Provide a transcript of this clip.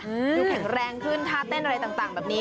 ดูแข็งแรงขึ้นท่าเต้นอะไรต่างแบบนี้